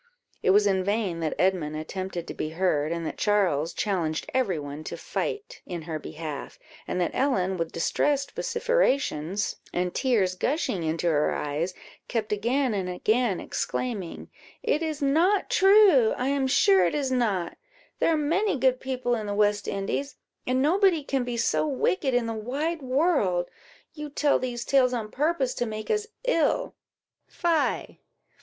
It was in vain that Edmund attempted to be heard, and that Charles challenged every one to fight in her behalf, and that Ellen, with distressed vociferation and tears gushing into her eyes, kept again and again exclaiming "It is not true I am sure it is not; there are many good people in the West Indies, and nobody can be so wicked in the wide world. You tell these tales on purpose to make us ill fie!